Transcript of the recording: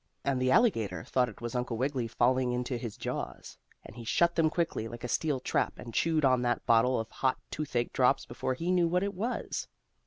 And the alligator thought it was Uncle Wiggily falling into his jaws, and he shut them quickly like a steel trap and chewed on that bottle of hot toothache drops before he knew what it was.